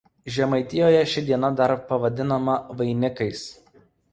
Žemaitijoje ši diena dar pavadinama Vainikais.